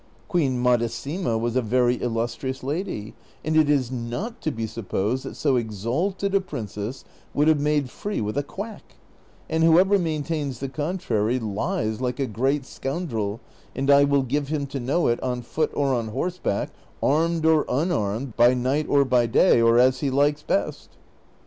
Queen Madasima was a very illustrious lady, and it is not to be supposed that so exalted a princess would have made free with a quack ; and whoever maintains the contrary lies like a great scoundrel, and I will give him to know it, on foot or on horseback, armed or unarmed, by night or by day, or as he likes best."